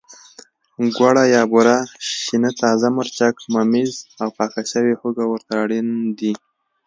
ګوړه یا بوره، شین تازه مرچک، ممیز او پاکه شوې هوګه ورته اړین دي.